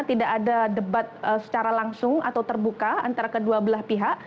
tidak ada debat secara langsung atau terbuka antara kedua belah pihak